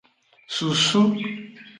Susu.